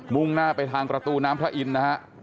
มุ่งหน้าไปทางประตูน้ำพระอินฮะ